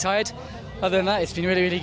selain itu saya sangat baik